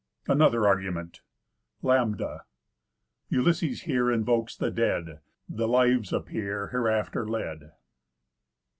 ANOTHER ARGUMENT Λάνβδα. Ulysses here Invokes the dead, The lives appear Hereafter led.